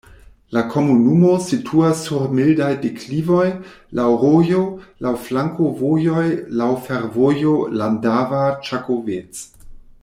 La komunumo situas sur mildaj deklivoj, laŭ rojo, laŭ flankovojoj, laŭ fervojo Lendava-Ĉakovec.